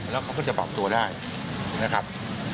แล้วเขาก็จะปรับตัวได้นะครับ